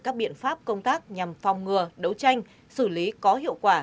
các biện pháp công tác nhằm phòng ngừa đấu tranh xử lý có hiệu quả